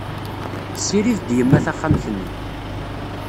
Tessirid-d yemma taxxamt-nni.